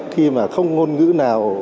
khi mà không ngôn ngữ nào